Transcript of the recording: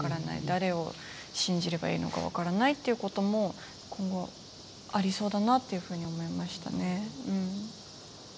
誰を信じればいいのか分からないっていうことも今後ありそうだなっていうふうに思いましたね。